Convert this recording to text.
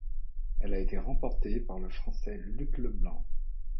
Elle a été remportée par le Français Luc Leblanc.